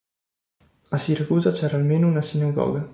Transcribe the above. A Siracusa c'era almeno una sinagoga.